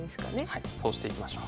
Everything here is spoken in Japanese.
はいそうしていきましょう。